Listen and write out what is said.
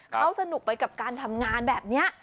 เขาสนุกไปกับการทำงานแบบนี้